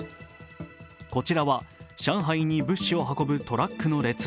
こちらは上海に物資を運ぶトラックの列。